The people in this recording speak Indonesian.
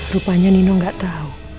rupanya nino gak tau